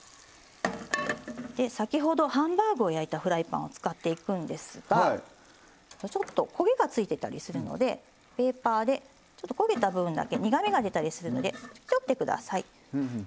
先ほどハンバーグを焼いたフライパンを使っていくんですがちょっと焦げがついてたりするのでペーパーでちょっと焦げた部分だけ苦みが出たりするので拭き取ってください。